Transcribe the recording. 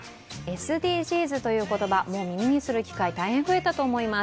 ＳＤＧｓという言葉、耳にする機会、大変増えたと思います。